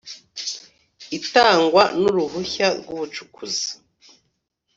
itangwa ry uruhushya rw ubucukuzi